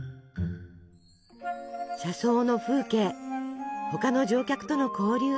車窓の風景他の乗客との交流。